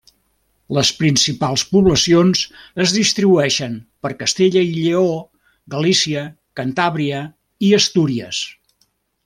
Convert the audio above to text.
Les principals poblacions es distribueixen per Castella i Lleó, Galícia, Cantàbria i Astúries.